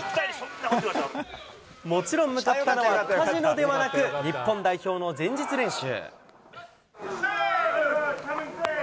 もちろん向かったのはカジノではなく、日本代表の前日練習。